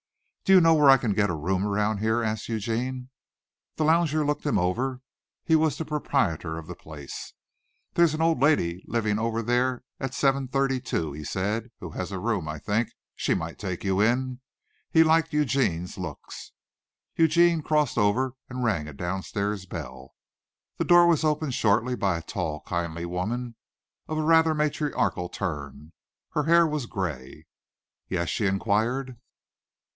"Do you know where I can get a room around here?" asked Eugene. The lounger looked him over. He was the proprietor of the place. "There's an old lady living over there at seven thirty two," he said, "who has a room, I think. She might take you in." He liked Eugene's looks. Eugene crossed over and rang a downstairs bell. The door was opened shortly by a tall, kindly woman, of a rather matriarchal turn. Her hair was gray. "Yes?" she inquired.